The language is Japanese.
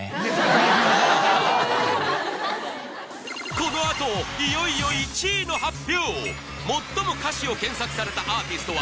このあといよいよ１位の発表